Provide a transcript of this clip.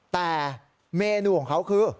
แต่เมนูของเขาคือ